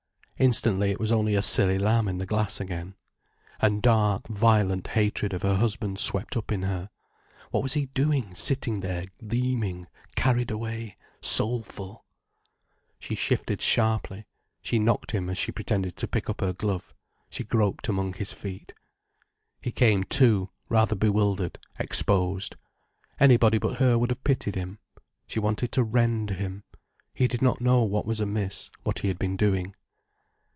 Instantly, it was only a silly lamb in the glass again. And dark, violent hatred of her husband swept up in her. What was he doing, sitting there gleaming, carried away, soulful? She shifted sharply, she knocked him as she pretended to pick up her glove, she groped among his feet. He came to, rather bewildered, exposed. Anybody but her would have pitied him. She wanted to rend him. He did not know what was amiss, what he had been doing.